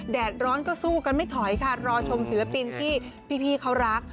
แดดร้อนก็สู้กันไม่ถอยค่ะรอชมศิลปินที่พี่เขารัก